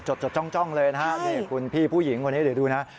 จดจดจ้องจ้องเลยนะคุณพี่ผู้หญิงวันนี้เดี๋ยวดูนะ